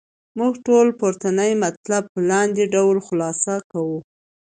موږ ټول پورتني مطالب په لاندې ډول خلاصه کوو.